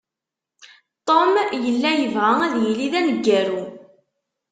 Tom yella yebɣa ad yili d aneggaru.